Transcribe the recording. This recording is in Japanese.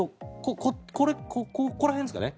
ここら辺ですかね？